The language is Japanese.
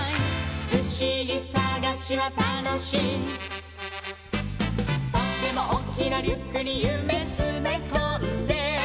「ふしぎさがしはたのしい」「とってもおっきなリュックにゆめつめこんで」